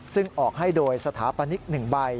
ซึ่งออกให้โดยสถาปนิก๑ใบ